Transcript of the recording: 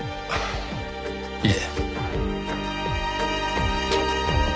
いえ。